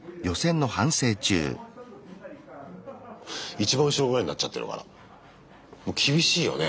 一番後ろぐらいになっちゃってるからもう厳しいよね